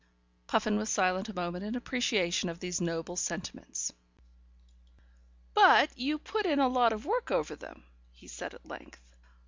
Puffin was silent a moment in appreciation of these noble sentiments. "But you put in a lot of work over them," he said at length.